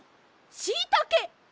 しいたけ！